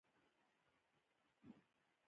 افغانستان په معاصر تاریخ کې نومېږي.